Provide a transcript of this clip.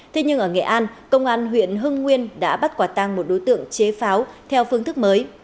thế nhưng ở nghệ an công an huyện hưng nguyên đã bắt quả tăng một đối tượng chế pháo theo phương thức mới